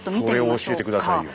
それを教えて下さいよ。